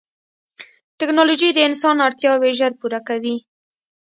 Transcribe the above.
ټکنالوجي د انسان اړتیاوې ژر پوره کوي.